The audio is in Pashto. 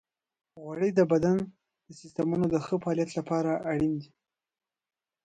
غوړې د بدن د سیستمونو د ښه فعالیت لپاره اړینې دي.